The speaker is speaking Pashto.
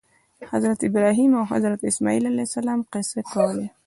د حضرت ابراهیم او حضرت اسماعیل علیهم السلام قصې کولې.